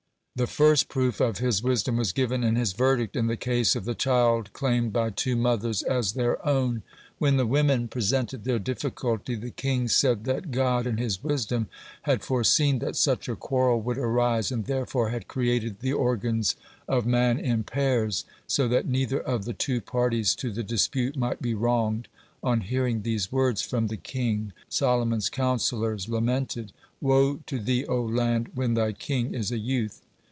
(25) The first proof of his wisdom was given in his verdict in the case of the child claimed by two mothers as their own. When the women presented their difficulty, the king said that God in His wisdom had foreseen that such a quarrel would arise, and therefore had created the organs of man in pairs, so that neither of the two parties to the dispute might be wronged. on hearing these words from the king, Solomon's counsellors lamented: "Woe to thee, O land, when thy king is a youth."